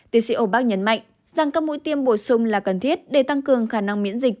tiến sĩ obak nhấn mạnh rằng các mũi tiêm bổ sung là cần thiết để tăng cường khả năng miễn dịch